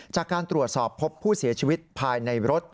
จากการตรวจสอบพบผู้เสียชีวิตภายในรถ